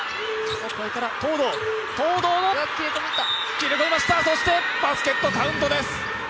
決めました、そしてバスケットカウントです！